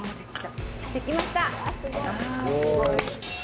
できました！